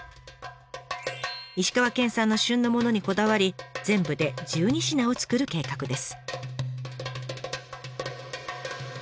石川県産の旬のものにこだわり全部で１２品を作る計画です。